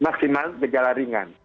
maksimal kejalahan ringan